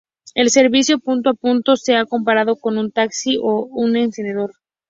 El servicio punto a punto se ha comparado con un taxi o un ascensor.